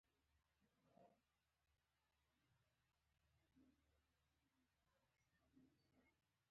د ځنګلونو وهل شتمني ضایع کول دي.